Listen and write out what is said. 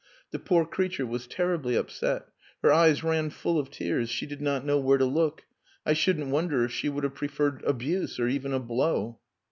The poor creature was terribly upset. Her eyes ran full of tears. She did not know where to look. I shouldn't wonder if she would have preferred abuse, or even a blow."